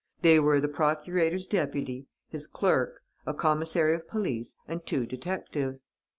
They were the procurator's deputy, his clerk, a commissary of police and two detectives.